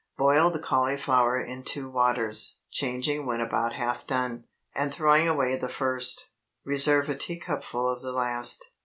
Boil the cauliflower in two waters, changing when about half done, and throwing away the first, reserve a teacupful of the last.